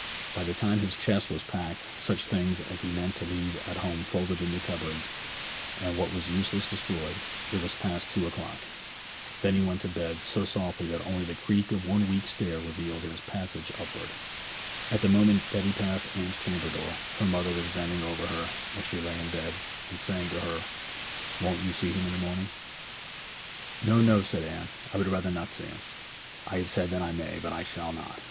By the time that his chest was packed, such things as he meant to leave at home folded into cupboards, and what was useless destroyed, it was past two o'clock. Then he went to bed, so softly that only the creak of one weak stair revealed his passage upward. At the moment that he passed Anne's chamber door her mother was bending over her as she lay in bed, and saying to her, 'Won't you see him in the morning?' 'No, no,' said Anne. 'I would rather not see him! I have said that I may. But I shall not.